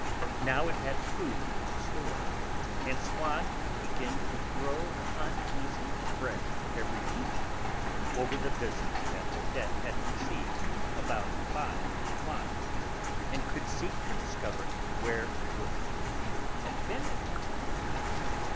Now it had food in store, and Swann could begin to grow uneasy afresh every evening, over the visits that Odette had received about five o'clock, and could seek to discover where Forcheville had been at that hour.